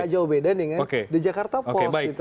jauh beda dengan the jakarta post gitu